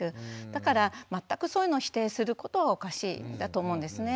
だから全くそういうのを否定することがおかしいんだと思うんですね。